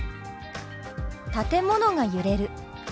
「建物が揺れる」。